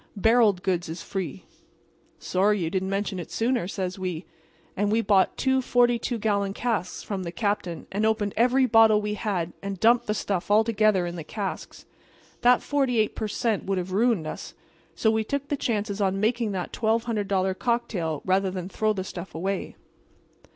Barrelled goods is free.' "'Sorry you didn't mention it sooner,' says we. And we bought two forty two gallon casks from the captain, and opened every bottle we had and dumped the stuff all together in the casks. That 48 per cent. would have ruined us; so we took the chances on making that $1,200 cocktail rather than throw the stuff away.